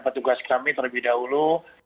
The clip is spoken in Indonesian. petugas kami terlebih dahulu